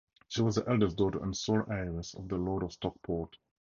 She was the eldest daughter and sole heiress of the Lord of Stockport.